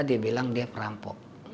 dia bilang dia perampok